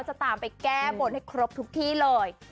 จะตามไปแก้บนให้ครบทุกที่เลย